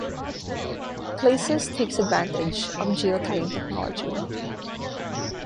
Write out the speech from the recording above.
Places takes advantage of geotagging technology.